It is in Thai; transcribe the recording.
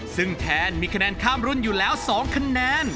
ซึ่งแทนมีคะแนนข้ามรุ่นอยู่แล้ว๒คะแนน